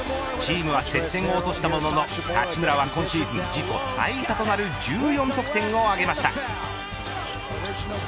チームは接戦を落としたものの八村は今シーズン自己最多となる１４得点を挙げました。